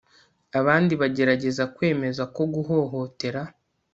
abandi bagerageza kwemeza ko guhohotera